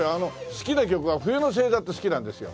好きな曲は『冬の星座』って好きなんですよ。